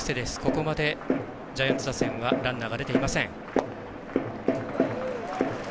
ここまでジャイアンツ打線はランナーが出ていません。